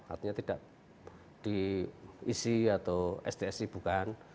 artinya tidak di isi atau stsi bukan